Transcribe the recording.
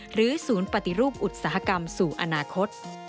หรือศูนย์ปฏิรูปอุตสาหกรรมสู่อนาคต